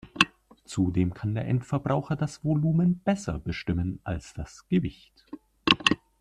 Zudem kann der Endverbraucher das Volumen besser bestimmen als das Gewicht.